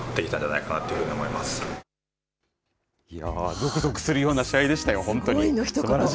ぞくぞくするような試合でしたよ、本当に。